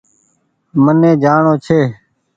مهني جآڻو ڇي